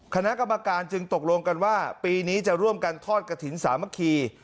คณะกรรมการจึงตกลงกันว่าปีนี้จะร่วมกันทอดกระถิ่นสามัคคี